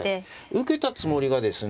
受けたつもりがですね